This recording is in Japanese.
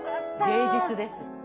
芸術です。